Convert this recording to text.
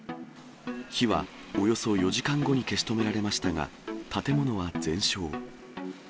火はおよそ４時間後に消し止められましたが、建物は全焼。